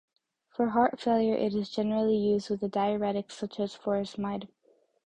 For heart failure it is generally used with a diuretic such as furosemide.